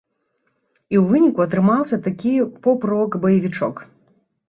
І ў выніку атрымаўся такі поп-рок баевічок.